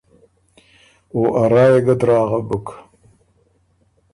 او ا رائ يې ګۀ دراغه بُک۔